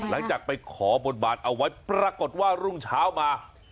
หลังจากไปขอบนบานเอาไว้ปรากฏว่ารุ่งเช้ามา